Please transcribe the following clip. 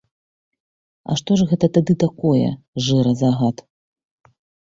А што ж гэта тады такое жыразагад?